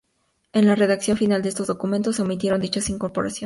En la redacción final de estos documentos se omitieron dichas incorporaciones.